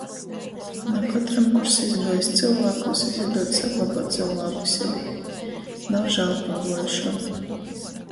Na kotram, kurs izguojs cylvākūs, izadūd saglobuot cylvāku sevī... Nav žāl paguojušuo...